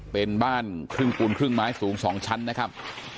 เป็นบ้านครึ่งปูนครึ่งไม้สูง๒ชั้นนะครับ